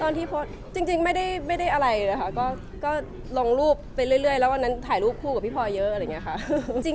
ตอนที่โพสต์จริงไม่ได้อะไรเลยค่ะก็ลงรูปไปเรื่อยแล้ววันนั้นถ่ายรูปคู่กับพี่พลอยเยอะอะไรอย่างนี้ค่ะ